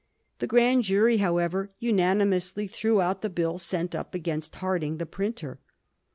The Grand Jury, however, unanimously threw out the bill sent up against Harding, the printer.